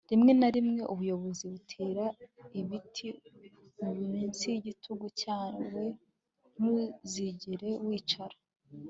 rimwe na rimwe ubuyobozi butera ibiti munsi yigitutu cyawe ntuzigera wicara